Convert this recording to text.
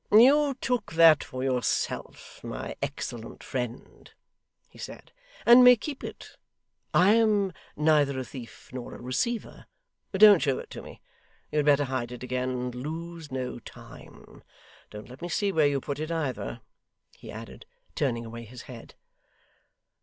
'You took that for yourself my excellent friend,' he said, 'and may keep it. I am neither a thief nor a receiver. Don't show it to me. You had better hide it again, and lose no time. Don't let me see where you put it either,' he added, turning away his head.